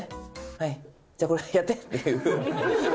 はい、じゃあこれやってっていう。